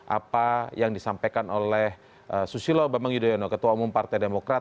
apa yang disampaikan oleh susilo bambang yudhoyono ketua umum partai demokrat